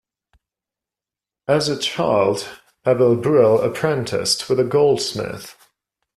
As a child, Abel Buell apprenticed with a goldsmith.